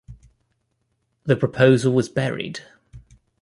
The proposal was buried.